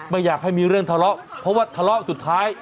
ไม่อยากให้มีเรื่องทะเลาะเพราะว่าทะเลาะสุดท้าย